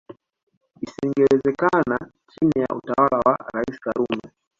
Isingewezekana chini ya utawala wa Rais Karume